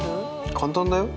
簡単だよ。